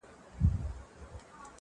نه د مرګ یې چاته پته لګېدله!.